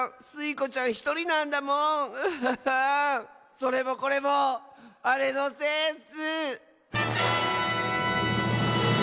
それもこれもあれのせいッス！